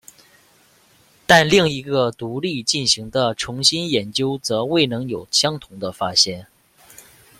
但另一个独立进行的重新研究则未能有相同的发现。